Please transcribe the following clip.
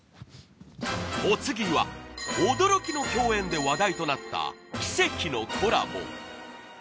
お次は驚きの共演で話題となった奇跡のコラボ！